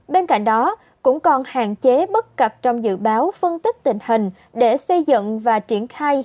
bên cạnh đó cũng còn hạn chế bất cập trong dự báo phân tích tình hình để xây dựng và triển khai